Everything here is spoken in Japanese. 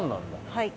はい。